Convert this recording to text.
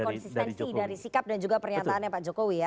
konsistensi dari sikap dan juga pernyataannya pak jokowi ya